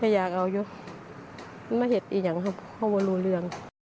อยากเอายกมาเห็นอีกอย่างครับเพราะว่ารู้เรื่อง